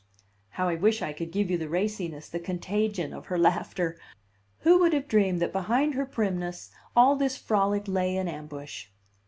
How I wish I could give you the raciness, the contagion, of her laughter! Who would have dreamed that behind her primness all this frolic lay in ambush?